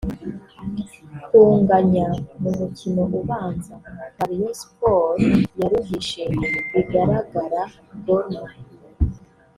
Kunganya mu mukino ubanza kwa Rayon Sports yaruhishe bigaragara Gor Mahia